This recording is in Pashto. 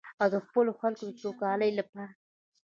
او د خپلو خلکو د سوکالۍ لپاره.